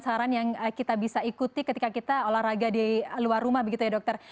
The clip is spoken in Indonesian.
saran yang kita bisa ikuti ketika kita olahraga di luar rumah begitu ya dokter